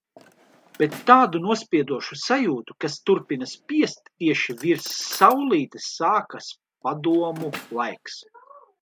Bet tādu nospiedošu sajūtu, kas turpina spiest, tieši virs "saulītes". Sākas padomu laiks.